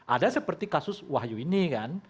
ada seperti kasus wahyu ini kan